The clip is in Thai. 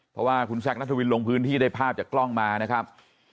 เพราะว่าคุณแซคนัทวินลงพื้นที่ได้ภาพจากกล้องมานะครับ